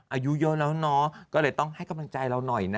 อายุเยอะแล้วเนาะก็เลยต้องให้กำลังใจเราหน่อยนะ